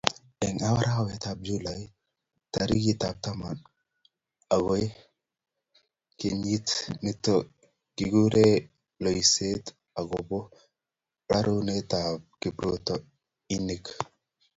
eng' arawetab julai tarikitab taman ak oeng' kenyit nito, kikur loiset akobo rorunotetab kiprutoinik